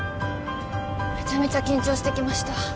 めちゃめちゃ緊張してきました